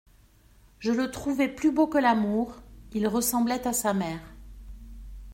Je le trouvais plus beau que l'Amour : il ressemblait à sa mère.